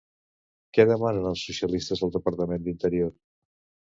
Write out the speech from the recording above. Què demanen els socialistes al Departament d'Interior?